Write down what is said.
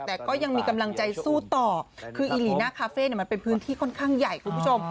แต่ก็ยังมีกำลังใจสู้ต่อคืออีหลีน่าคาเฟ่มันเป็นพื้นที่ค่อนข้างใหญ่คุณผู้ชม